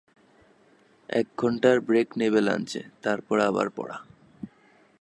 এক ঘণ্টার ব্রেক নেবে লাঞ্চে, তারপর আবার পড়া।